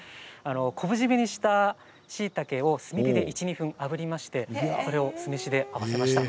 昆布締めにしたしいたけを炭火で１、２分あぶりましてそれを酢飯と合わせました。